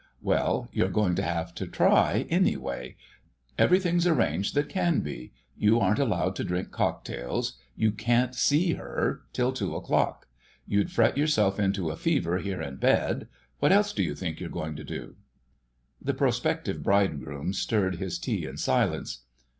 "Well, you're going to have a try, anyway. Everything's arranged that can be: you aren't allowed to drink cocktails; you can't see Her—till two o'clock. You'd fret yourself into a fever here in bed—what else do you think you're going to do?" The prospective bridegroom stirred his tea in silence.